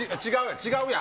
違うやん。